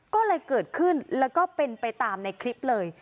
ก็เลยเกิดขึ้นแล้วก็เป็นไปตามในคลิปเลย